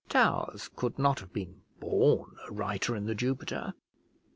Towers could not have been born a writer in The Jupiter.